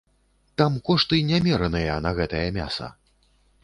Там кошты нямераныя на гэтае мяса.